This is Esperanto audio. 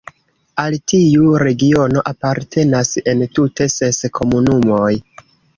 Al tiu regiono apartenas entute ses komunumoj.